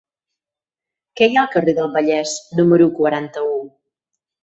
Què hi ha al carrer del Vallès número quaranta-u?